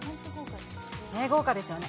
豪華ですよね。